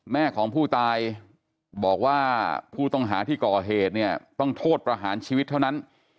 แม่ของผู้ตายบอกว่าผู้ต้องหาที่ก่อเหตุเนี่ยต้องโทษประหารชีวิตเท่านั้น